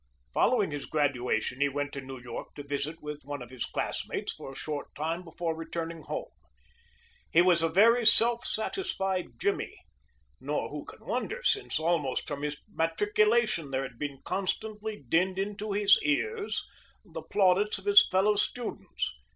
Following his graduation he went to New York to visit with one of his classmates for a short time before returning home. He was a very self satisfied Jimmy, nor who can wonder, since almost from his matriculation there had been constantly dinned into his ears the plaudits of his fellow students.